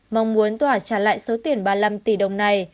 mong muốn tỏa trả lại số tiền ba mươi năm tỷ